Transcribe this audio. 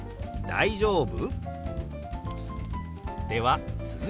大丈夫？」。